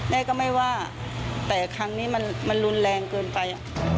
แม่ก็ไม่ว่าแต่ครั้งนี้มันรุนแรงเกินไป